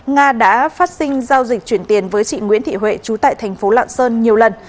nga đã phát sinh giao dịch chuyển tiền với chị nguyễn thị huệ chú tại thành phố lạng sơn nhiều lần